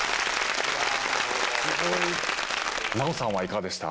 ナヲさんはいかがでした？